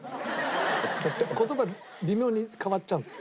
言葉微妙に変わっちゃう。